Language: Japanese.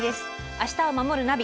「明日をまもるナビ」